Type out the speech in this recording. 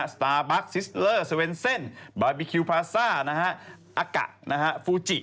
สตาร์บัคซิสเลอร์เซเวนเซ่นบาร์บีคิวพาซ่าอากะฟูจิ